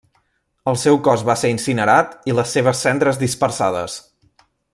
El seu cos va ser incinerat i les seves cendres dispersades.